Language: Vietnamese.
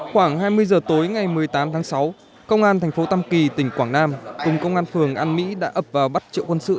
khoảng hai mươi giờ tối ngày một mươi tám tháng sáu công an thành phố tam kỳ tỉnh quảng nam cùng công an phường an mỹ đã ập vào bắt triệu quân sự